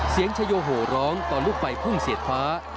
เสียงชโยโหร้องต่อลูกไฟพุ่งเสียดฟ้า